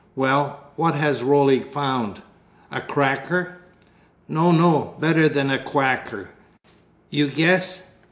"Well, what has Roly found a cracker?" "No, no, better than a cwacker you guess."